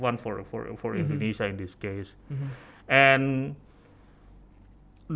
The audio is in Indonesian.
untuk indonesia dalam hal ini